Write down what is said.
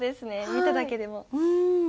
見ただけでも。